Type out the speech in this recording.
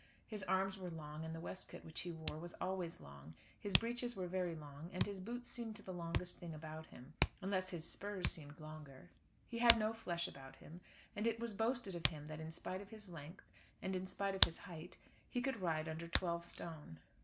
His arms were long, and the waistcoat which he wore was always long; his breeches were very long; and his boots seemed the longest thing about him unless his spurs seemed longer. He had no flesh about him, and it was boasted of him that, in spite of his length, and in spite of his height, he could ride under twelve stone.